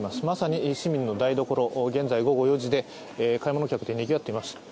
まさに市民の台所、現在午後４時で買い物客でにぎわっています。